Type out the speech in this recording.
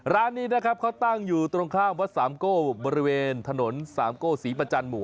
ร้านนี้นะครับเขาตั้งอยู่ตรงข้ามวัดสามโก้บริเวณถนนสามโก้ศรีประจันทร์หมู่